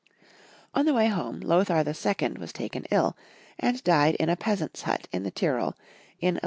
On the way home, Lothar II. was taken ill, and died in a peasant's hut in the Tyrol, m 1137.